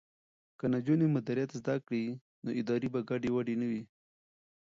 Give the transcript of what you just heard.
که نجونې مدیریت زده کړي نو ادارې به ګډې وډې نه وي.